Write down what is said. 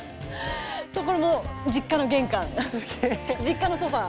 そうこれも実家の玄関実家のソファー。